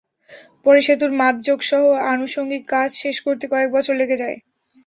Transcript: পরে সেতুর মাপজোখসহ আনুষঙ্গিক কাজ শেষ করতে কয়েক বছর লেগে যায়।